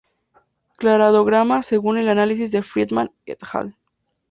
Cladograma según el análisis de Friedman "et al.